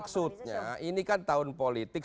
maksudnya ini kan tahun politik